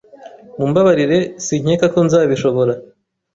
Mumbabarire, sinkeka ko nzabishobora.